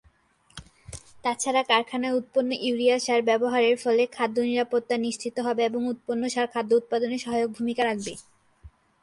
তাছাড়া, কারখানায় উৎপন্ন ইউরিয়া সার ব্যবহারের ফলে খাদ্য নিরাপত্তা নিশ্চিত হবে এবং উৎপন্ন সার খাদ্য উৎপাদনে সহায়ক ভূমিকা রাখবে।